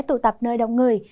tụ tập nơi đông người